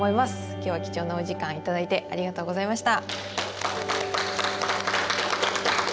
今日は貴重なお時間頂いてありがとうございました。